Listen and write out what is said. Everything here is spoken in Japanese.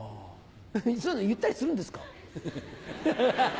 そういうの言ったりするんですか？